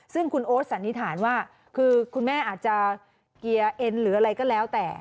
ซึ่งคุณโอ๊ตสันนิษฐานว่าคือคุณแม่อาจจะเกียร์เอ็นหรืออะไรก็แล้วแต่